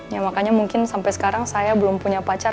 ya makanya mungkin sampai sekarang saya belum punya pacar